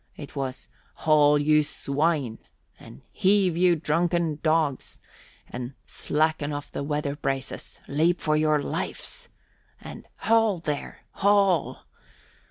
It was "Haul, you swine!" And "Heave, you drunken dogs!" And "Slacken off the weather braces! Leap for your lives!" And "Haul, there, haul!